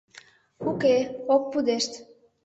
Уке, ок пудешт.